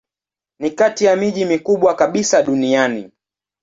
Ni kati ya miji mikubwa kabisa duniani.